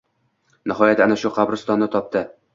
Nihoyat, ana shu... qabristonni topdi!